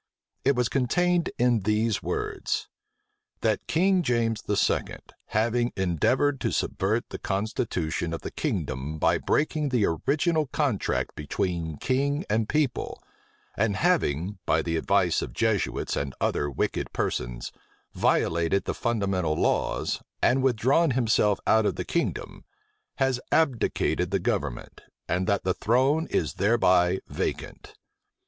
It was contained in these words: "That King James II., having endeavored to subvert the constitution of the kingdom by breaking the original contract between king and people; and having, by the advice of Jesuits and other wicked persons, violated the fundamental laws, and withdrawn himself out of the kingdom; has abdicated the government, and that the throne is thereby vacant."